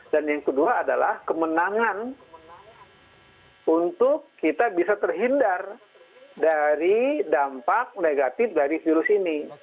dan yang kedua adalah kemenangan untuk kita bisa terhindar dari dampak negatif dari virus ini